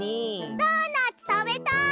ドーナツたべたい！